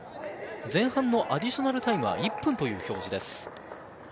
前半のアディショナルタイムは１分という表示です。